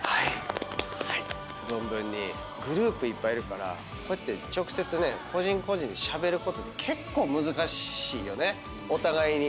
グループいっぱいいるからこうやって直接ね個人個人でしゃべることって結構難しいよねお互いに。